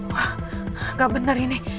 wah gak bener ini